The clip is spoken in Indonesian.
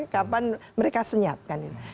kapan mereka senyap kan itu